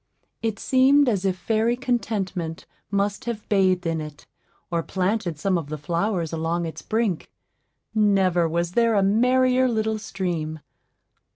It seemed as if fairy Contentment must have bathed in it, or planted some of the flowers along its brink; never was there a merrier little stream.